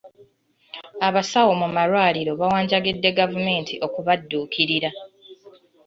Abasawo mu malwaliro bawanjagidde gavumenti okubadduukirira.